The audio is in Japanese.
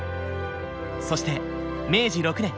そして明治６年。